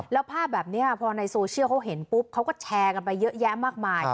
แล้วภาพแบบนี้พอในโซเชียลเขาเห็นปุ๊บเขาก็แชร์กันไปเยอะแยะมากมาย